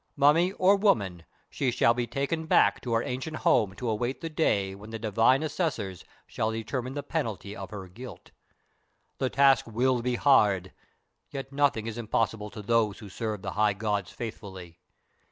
Mummy or woman, she shall be taken back to her ancient home to await the day when the Divine Assessors shall determine the penalty of her guilt. The task will be hard, yet nothing is impossible to those who serve the High Gods faithfully.